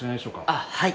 あっはい。